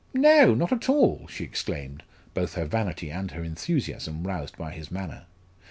"No, not at all!" she exclaimed, both her vanity and her enthusiasm roused by his manner.